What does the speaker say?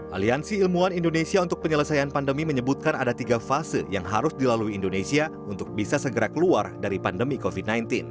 aliansi ilmuwan indonesia untuk penyelesaian pandemi menyebutkan ada tiga fase yang harus dilalui indonesia untuk bisa segera keluar dari pandemi covid sembilan belas